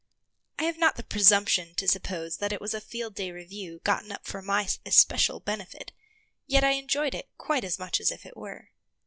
I have not the presumption to suppose that it was a field day review gotten up for my especial benefit; yet I enjoyed it quite as much as if it were.